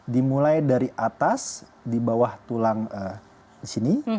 dimulai dari atas di bawah tulang sini